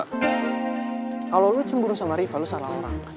kalau lo cemburu sama riva lu salah orang